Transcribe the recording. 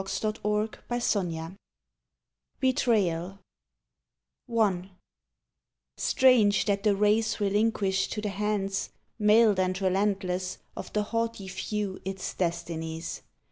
126 ON THE GREAT WAR BETRAYAL I Strange, that the race relinquish to the hands, Mailed and relentless, of the haughty few Its destinies